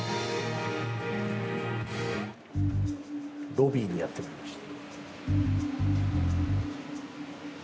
ロビーにやってまいりました。